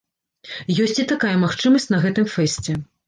Ёсць і такая магчымасць на гэтым фэсце.